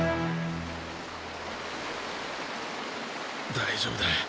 大丈夫だ。